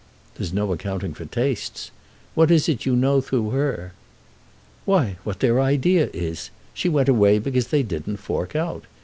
"There's no accounting for tastes. What is it you know through her?" "Why what their idea is. She went away because they didn't fork out.